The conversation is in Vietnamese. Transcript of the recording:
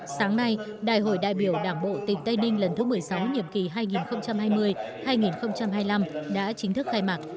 sáng nay đại hội đại biểu đảng bộ tỉnh tây ninh lần thứ một mươi sáu nhiệm kỳ hai nghìn hai mươi hai nghìn hai mươi năm đã chính thức khai mạc